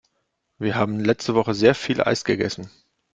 Wir haben letzte Woche sehr viel Eis gegessen.